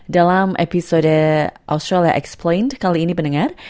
dalam episode australia explained kali ini pendengar